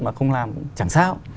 mà không làm chẳng sao